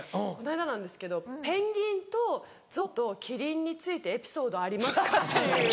この間なんですけど「ペンギンとゾウとキリンについてエピソードありますか？」っていう。